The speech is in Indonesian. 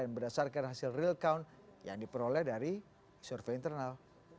berdasarkan hasil real count yang diperoleh dari survei internal